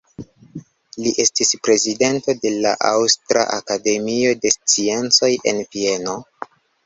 Li estis prezidento de la Aŭstra Akademio de Sciencoj en Vieno.